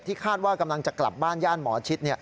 คาดว่ากำลังจะกลับบ้านย่านหมอชิด